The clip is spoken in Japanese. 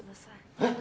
えっ？